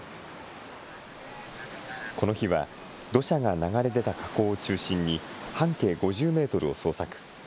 この日は土砂が流れ出た河口を中心に、半径５０メートルを捜索。